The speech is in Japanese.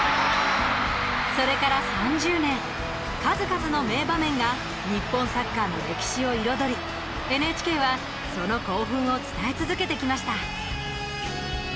それから３０年、数々の名場面が日本サッカーの歴史を彩りＮＨＫはその興奮を伝え続けてきました。